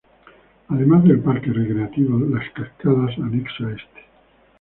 Además del parque recreativo las cascadas, anexo a este.